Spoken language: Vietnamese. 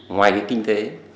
ngoài cái kinh tế